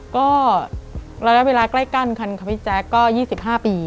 ก็เราได้เวลาก็ใกล้กันคันพี่แจ๊คก็๒๕ปี